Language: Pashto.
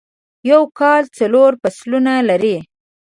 یو کال څلور فصلونه لری